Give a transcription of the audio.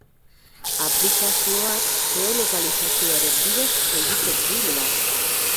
Aplikazioak geolokalizazioaren bidez egiten du lan.